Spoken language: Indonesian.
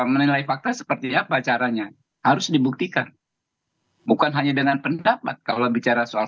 menilai fakta seperti apa caranya harus dibuktikan bukan hanya dengan pendapat kalau bicara soal